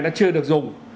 nó chưa được dùng